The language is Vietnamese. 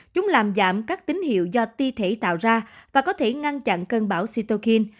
chúng làm giảm các tín hiệu do ti thể tạo ra và có thể ngăn chặn cơn bão sitokin